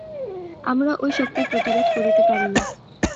আমরা ঐ শক্তির প্রতিরোধ করিতে পারি না।